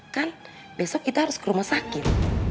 kan besok kita harus ke rumah sakit